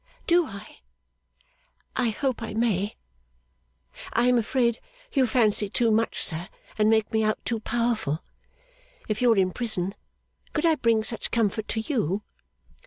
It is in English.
'Do I? I hope I may! I am afraid you fancy too much, sir, and make me out too powerful. If you were in prison, could I bring such comfort to you?